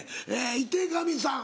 井手上さん。